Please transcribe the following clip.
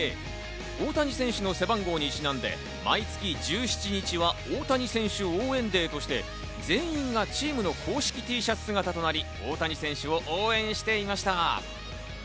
大谷選手の背番号にちなんで毎月１７日は大谷選手応援デーとして、全員がチームの公式Ｔシャツ姿となり、大谷選手を応援していました。